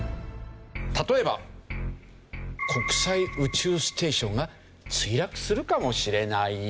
例えば国際宇宙ステーションが墜落するかもしれない？